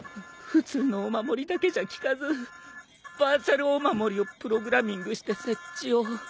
普通のお守りだけじゃ効かずバーチャルお守りをプログラミングして設置を。